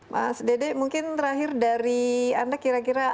mas dede mungkin terakhir dari anda kira kira